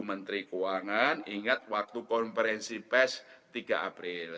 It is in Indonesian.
menteri keuangan ingat waktu konferensi pes tiga april